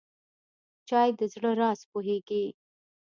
چای د زړه راز پوهیږي.